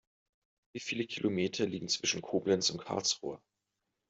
Wie viele Kilometer liegen zwischen Koblenz und Karlsruhe?